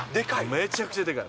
めちゃくちゃでかい。